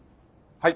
はい。